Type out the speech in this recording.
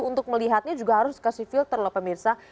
untuk melihatnya juga harus kasih filter loh pemirsa